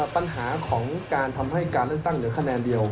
ปัญหาของการทำให้การเลือกตั้งเหลือคะแนนเดียว